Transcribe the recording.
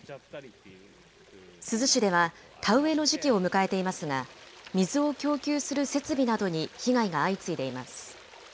珠洲市では田植えの時期を迎えていますが、水を供給する設備などに被害が相次いでいます。